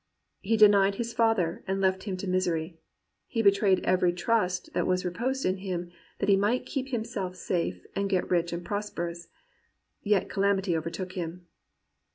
He denied his father, and left him to misery; he betrayed every trust that was rep>osed in him, that he might keep himself safe and get rich and prosperous. Yet calamity overtook him.'